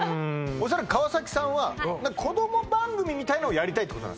おそらく川崎さんは子供番組みたいのをやりたいってこと？